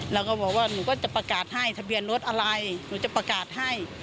แล้วก็บอกว่าหนูก็จะประกาศให้ทะเบียนรถอะไรหนูจะประกาศให้